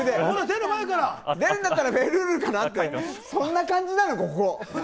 出る前から出るんだったら、フェルールかなって、そんな感じなの、ここ？